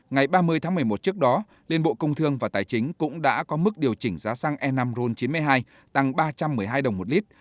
ngày ba mươi tháng một mươi một trước đó liên bộ công thương và tài chính cũng đã có mức điều chỉnh giá xăng e năm ron chín mươi hai tăng ba trăm một mươi hai đồng một lít